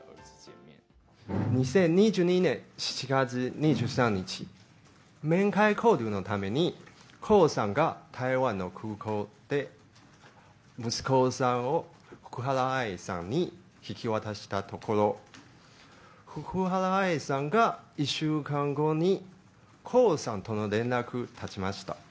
２０２２年７月２３日、面会交流のために、江さんが台湾の空港で息子さんを福原愛さんに引き渡したところ、福原愛さんが１週間後に江さんとの連絡を絶ちました。